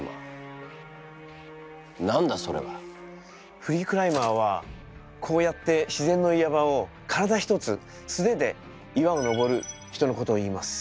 フリークライマーはこうやって自然の岩場を体ひとつ素手で岩を登る人のことをいいます。